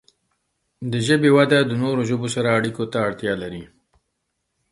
د ژبې وده د نورو ژبو سره اړیکو ته اړتیا لري.